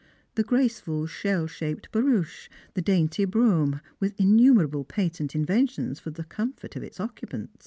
The graceful shell shaped barouche, the dainty brougham, with innumerable patent inventions for the comfort of its occupant.